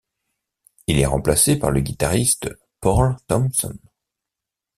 Il est remplacé par le guitariste Porl Thompson.